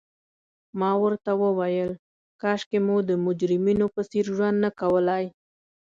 ما ورته وویل: کاشکي مو د مجرمینو په څېر ژوند نه کولای.